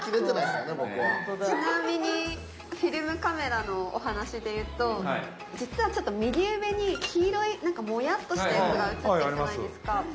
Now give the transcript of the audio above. ちなみにフィルムカメラのお話で言うと実はちょっと右上に黄色いなんかもやっとしたやつが写ってるじゃないですか。